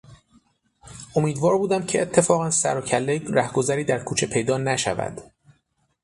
امیدوار بودم که اتفاقا سر و کله رهگذری در کوچه پیدا نشود.